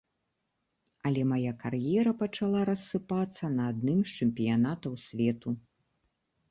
Але мая кар'ера пачала рассыпацца на адным з чэмпіянатаў свету.